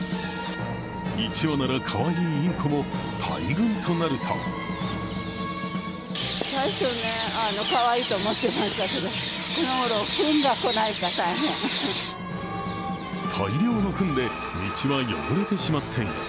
１羽ならかわいいインコも大群となると大量のふんで道は汚れてしまっています。